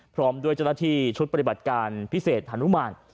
พร้อมด้วยเจ้าหน้าที่ชุดปฏิบัติการพิเศษฮานุมาน